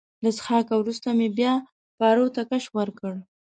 له څښاکه وروسته مې بیا پارو ته کش ورکړ.